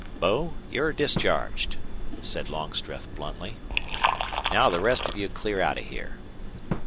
"Bo, you're discharged," said Longstreth, bluntly. "Now the rest of you clear out of here."